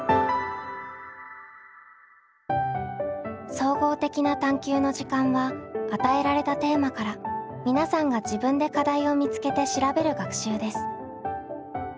「総合的な探究の時間」は与えられたテーマから皆さんが自分で課題を見つけて調べる学習です。